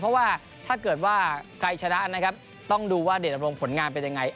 เพราะว่าถ้าเกิดว่าใครชนะนะครับต้องดูว่าเดชดำรงผลงานเป็นยังไง